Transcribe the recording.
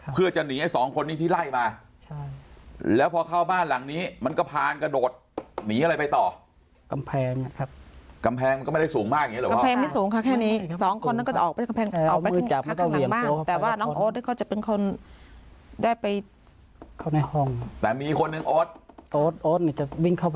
เพื่อจะหนีให้๒คนที่ไล่มา